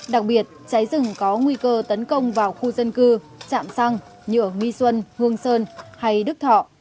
đặc biệt cháy rừng có nguy cơ tấn công vào khu dân cư chạm xăng nhựa mi xuân hương sơn hay đức thọ